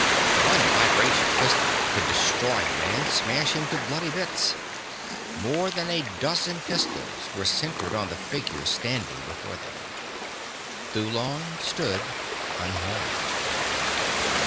One vibration pistol would destroy a man, smash him to bloody bits. More than a dozen pistols were centered on the figure standing before them. Thulon stood unharmed.